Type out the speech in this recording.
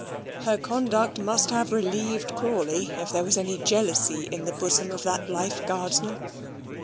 Her conduct must have relieved Crawley if there was any jealousy in the bosom of that life guardsman.